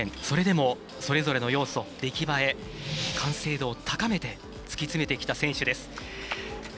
それでもそれぞれの要素、出来栄え完成度を高めて突き詰めてきた選手です。